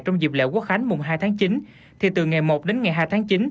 trong dịp lễ quốc khánh mùng hai tháng chín thì từ ngày một đến ngày hai tháng chín